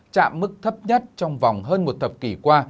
chạm mức thấp nhất trong vòng hơn một thập kỷ qua